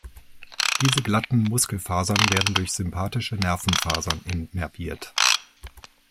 Diese glatten Muskelfasern werden durch sympathische Nervenfasern innerviert.